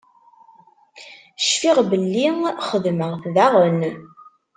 Cfiɣ belli xedmeɣ-t daɣen.